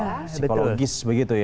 psikologis begitu ya